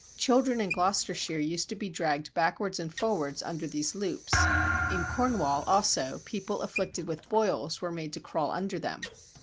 Children in Gloucestershire used to be dragged backwards and forwards under these loops; in Cornwall also people afflicted with boils were made to crawl under them.